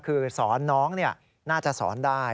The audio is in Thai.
คือสอนน้องน่าจะสอนได้